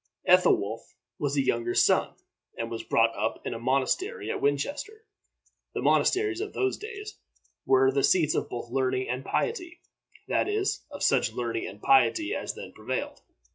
Ethelwolf was a younger son, and was brought up in a monastery at Winchester. The monasteries of those days were the seats both of learning and piety, that is, of such learning and piety as then prevailed.